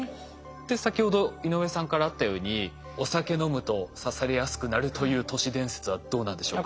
先ほど井上さんからあったようにお酒飲むと刺されやすくなるという都市伝説はどうなんでしょうか？